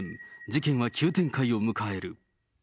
事件は急展開を迎える。